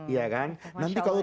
iya kan nanti kalau